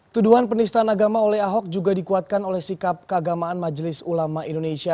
tuduhan penistaan agama oleh ahok juga dikuatkan oleh sikap keagamaan majelis ulama indonesia